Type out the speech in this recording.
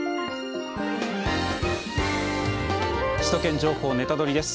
「首都圏情報ネタドリ！」です。